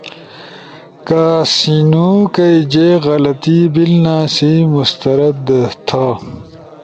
کہ سینو کئی جے غلطی بیلنا سی مسترد تھا۔